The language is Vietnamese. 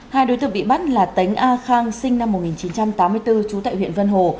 hai đối tượng bị bắt là tấn a khang sinh năm một nghìn chín trăm tám mươi bốn trú tại huyện vân hồ